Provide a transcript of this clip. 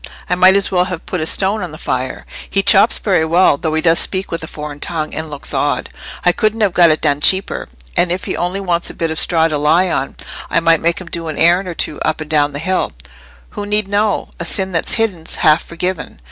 I might as well have put a stone on the fire. He chops very well, though he does speak with a foreign tongue, and looks odd. I couldn't have got it done cheaper. And if he only wants a bit of straw to lie on, I might make him do an errand or two up and down the hill. Who need know? And sin that's hidden's half forgiven.